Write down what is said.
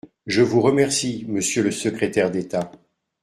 Je vous remercie, monsieur le secrétaire d’État.